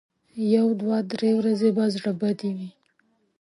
یو دوه درې ورځې به زړه بدې وي.